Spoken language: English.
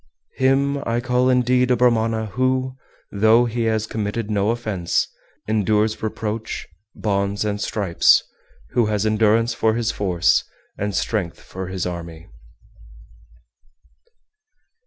399. Him I call indeed a Brahmana who, though he has committed no offence, endures reproach, bonds, and stripes, who has endurance for his force, and strength for his army.